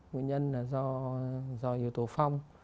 nguyên nhân là do yếu tố phong